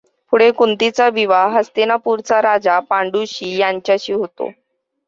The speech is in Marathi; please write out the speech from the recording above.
पुढे कुंतिचा विवाह हस्तिनापूरचा राजा पांडुशी याच्याशी होतो.